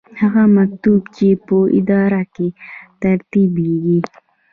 هغه مکتوب چې په اداره کې ترتیبیږي.